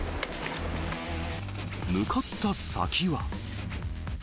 向かった先は。